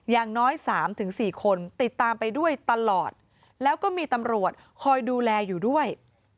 อย่างน้อย๓๔คนติดตามไปด้วยตลอดแล้วก็มีตำรวจคอยดูแลอยู่ด้วย